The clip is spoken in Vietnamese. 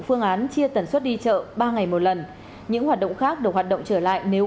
phương án chia tần suất đi chợ ba ngày một lần những hoạt động khác được hoạt động trở lại nếu